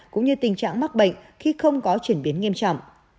cũng như tình trạng mắc bệnh khi không có chuyển biến nghiêm trọng